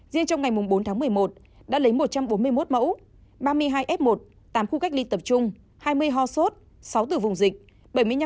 riêng trong ngày bốn tháng một mươi một đã lấy một trăm bốn mươi một mẫu ba mươi hai f một tám khu cách ly tập trung hai mươi ho sốt sáu từ vùng dịch